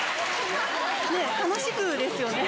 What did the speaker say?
楽しくですよね。